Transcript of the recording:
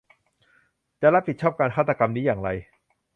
จะรับผิดชอบการฆาตกรรมนี้อย่างไร ?